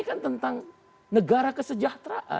ini kan tentang negara kesejahteraan